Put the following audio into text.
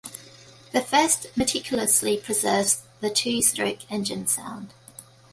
The first meticulously preserves the two-stroke engine sound.